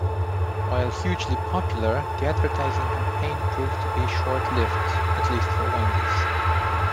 While hugely popular, the advertising campaign proved to be short-lived, at least for Wendy's.